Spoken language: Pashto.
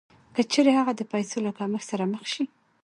که چېرې هغه د پیسو له کمښت سره مخ شي